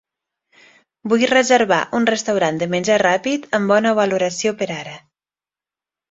Vull reservar un restaurant de menjar ràpid amb bona valoració per ara.